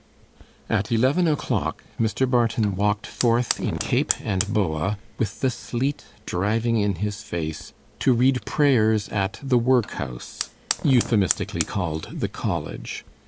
At eleven o'clock, Mr. Barton walked forth in cape and boa, with the sleet driving in his face, to read prayers at the workhouse, euphemistically called the 'College'.